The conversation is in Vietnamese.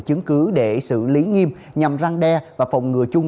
chứng cứ để xử lý nghiêm nhằm răng đe và phòng ngừa chung